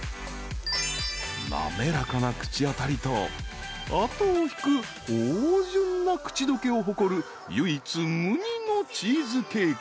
［滑らかな口当たりと後を引く芳醇な口どけを誇る唯一無二のチーズケーキ］